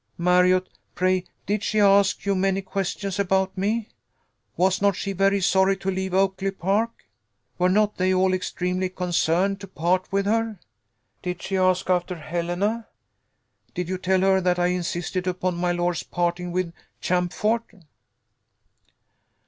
Marriott, pray did she ask you many questions about me? Was not she very sorry to leave Oakly park? Were not they all extremely concerned to part with her? Did she ask after Helena? Did you tell her that I insisted upon my lord's parting with Champfort?"